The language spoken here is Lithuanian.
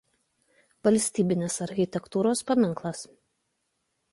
Valstybinis architektūros paminklas.